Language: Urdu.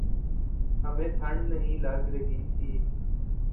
ہمیں ٹھنڈ نہیں لگ رہی تھی۔